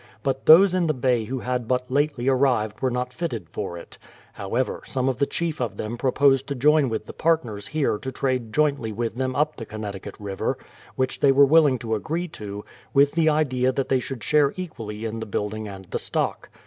But those in the Bay who had but lately ar rived were not fitted for it. However, some of the chief of them proposed to join with the partners here to trade jointly with them up the Connecticut River, which they were willing to agree to, with the idea that they should share equally in the building and the stock.